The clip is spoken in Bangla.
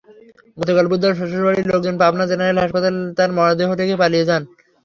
গতকাল বুধবার শ্বশুরবাড়ির লোকজন পাবনা জেনারেল হাসপাতালে তাঁর মরদেহ রেখে পালিয়ে যান।